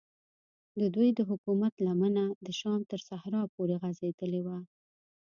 ددوی د حکومت لمنه د شام تر صحراو پورې غځېدلې وه.